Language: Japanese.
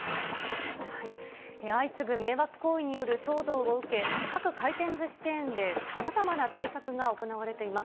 相次ぐ迷惑行為による騒動を受け、各回転ずしチェーンで、さまざまな対策が行われています。